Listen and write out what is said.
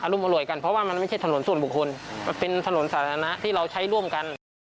รุมอร่วยกันเพราะว่ามันไม่ใช่ถนนส่วนบุคคลมันเป็นถนนสาธารณะที่เราใช้ร่วมกัน